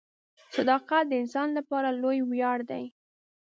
• صداقت د انسان لپاره لوی ویاړ دی.